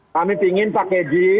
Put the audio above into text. kami pingin pak keji